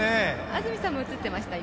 安住さんも映ってました、